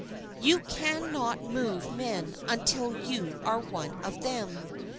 You can not move men until you are one of them.